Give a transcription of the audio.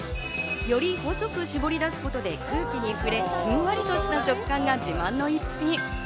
より細く搾り出すことで、空気に触れ、ふんわりとした食感が自慢の一品。